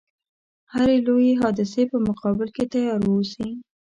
هري لويي حادثې په مقابل کې تیار و اوسي.